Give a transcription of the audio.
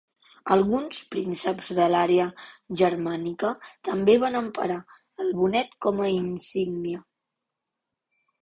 Alguns prínceps de l'àrea germànica també van emprar el bonet com a insígnia.